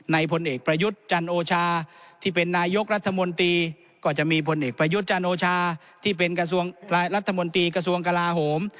ผลเอกประยุทธ์จันโอชาที่เป็นนายกรัฐมนตรีก็จะมีผลเอกประยุทธ์จันโอชาที่เป็นกระทรวงรัฐมนตรีกระทรวงกลาโหม